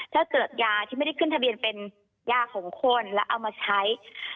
ถ้าเกิดยาที่ไม่ได้ขึ้นทะเบียนเป็นยาของคนแล้วเอามาใช้